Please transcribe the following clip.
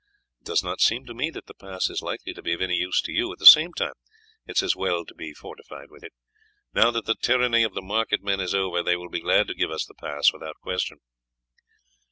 It does not seem to me that the pass is likely to be of any use to you; at the same time it is as well to be fortified with it. Now that the tyranny of the market men is over they will be glad to give us the pass without question."